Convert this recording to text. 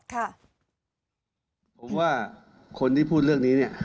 ผมว่าคนที่พูดเรื่องนี้เนี่ย